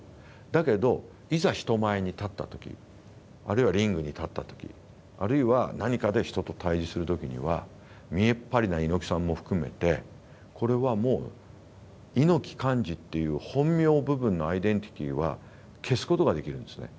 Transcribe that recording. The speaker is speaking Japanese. だけどいざ人前に立った時あるいはリングに立った時あるいは何かで人と対峙する時には見えっ張りな猪木さんも含めてこれはもう猪木寛至っていう本名部分のアイデンティティーは消すことができるんですね。